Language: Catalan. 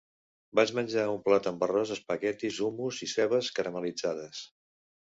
Vaig menjar un plat amb arròs, espaguetis, hummus i cebes caramel·litzades.